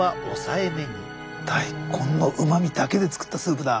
大根のうまみだけで作ったスープだ。